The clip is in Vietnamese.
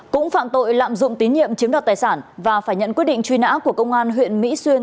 cũng phạm tội lạm dụng tín nhiệm chiếm đoạt tài sản và phải nhận quyết định truy nã của công an huyện mỹ xuyên